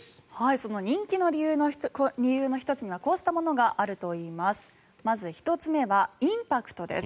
その人気の理由の１つがこうしたものがあるといいます。